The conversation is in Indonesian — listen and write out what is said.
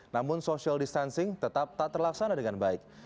namun social distancing tetap tak terlaksana dengan baik